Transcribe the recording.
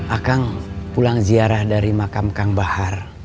akang pulang ziarah dari makam kang bahar